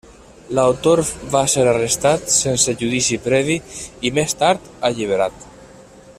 L'autor va ser arrestat sense judici previ, i més tard alliberat.